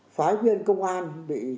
phái viên công an bị